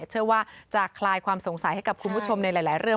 เชื่อว่าจะคลายความสงสัยให้กับคุณผู้ชมในหลายเรื่อง